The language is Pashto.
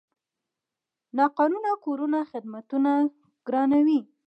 ناقانونه کورونه خدمتونه ګرانوي.